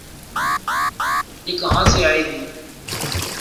یہ کہاں سے آئے گی؟